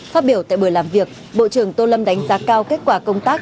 phát biểu tại buổi làm việc bộ trưởng tô lâm đánh giá cao kết quả công tác